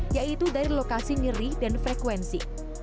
yaitu dari lokasi nyeri dan frekuensi